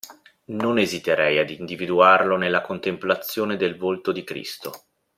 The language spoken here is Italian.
Non esiterei ad individuarlo nella contemplazione del volto di Cristo.